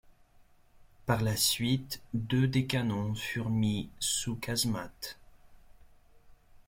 Par la suite, deux des canons furent mis sous casemate.